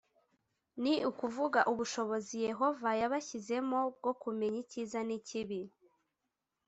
ni ukuvuga ubushobozi yehova yabashyizemo bwo kumenya ikiza n ikibi